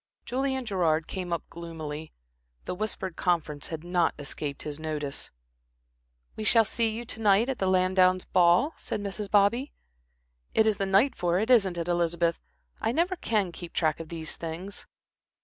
Julian Gerard came up gloomily. The whispered conference had not escaped his notice. "We shall see you to night at the Lansdownes' ball," said Mrs. Bobby. "It is the night for it, isn't it, Elizabeth? I never can keep track of these things."